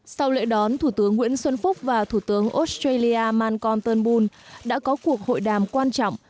sau lễ đón thủ tướng nguyễn xuân phúc và thủ tướng australia malconton bull đã có cuộc hội đàm quan trọng